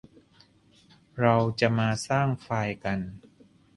เราจะมาสร้างไฟล์กัน